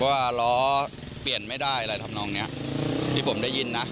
ว่าล้อเปลี่ยนไม่ได้อะไรทำนองเนี้ยที่ผมได้ยินนะ